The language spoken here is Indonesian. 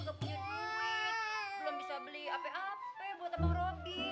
tapi artika kan gak punya duit belum bisa beli hp hp buat abang robby